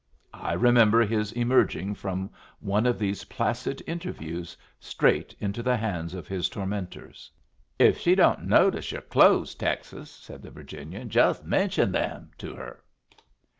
I remember his emerging from one of these placid interviews straight into the hands of his tormentors. "If she don't notice your clothes, Texas," said the Virginian, "just mention them to her."